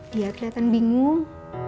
dia keliatan bingung